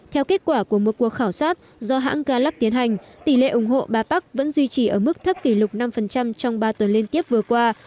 theo kết quả của một cuộc khảo sát do hãng galub tiến hành tỷ lệ ủng hộ ba park vẫn duy trì ở mức thấp kỷ lục năm trong ba tuần liên tiếp vừa qua